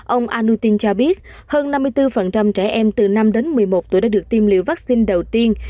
ông anutin cho biết hơn năm mươi bốn trẻ em từ năm đến một mươi một tuổi đã được tiêm liệu vaccine đầu tiên